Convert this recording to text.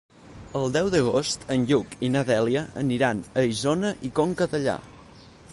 El deu d'agost en Lluc i na Dèlia aniran a Isona i Conca Dellà.